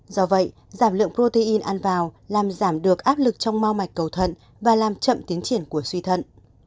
do vậy giảm lượng protein ăn vào làm giảm được áp lực trong mau mạch cầu thận và làm chậm tiến triển của suy thận